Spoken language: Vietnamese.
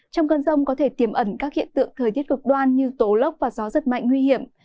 trong cơn rông có thể tiềm ẩn các hiện tượng thời tiết cực đoan như tố lốc và gió rất mạnh nguy hiểm